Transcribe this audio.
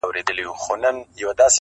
یوه سړي ورباندي نوم لیکلی.!